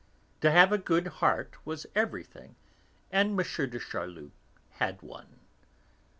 To have a good heart was everything, and M. de Charlus had one.